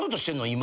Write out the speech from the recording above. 今。